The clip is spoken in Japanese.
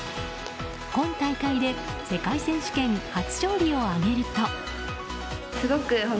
今大会で世界選手権初勝利を挙げると。